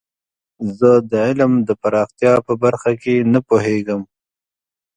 زه د علم د پراختیا په برخه کې نه پوهیږم.